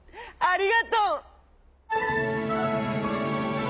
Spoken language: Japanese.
ありがとう！」。